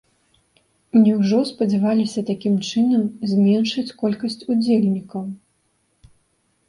Няўжо спадзяваліся такім чынам зменшыць колькасць удзельнікаў?